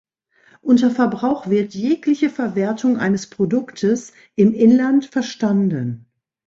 Unter Verbrauch wird jegliche Verwertung eines Produktes im Inland verstanden.